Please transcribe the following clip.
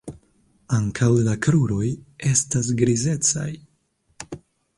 Ankaŭ la kruroj estas grizecaj.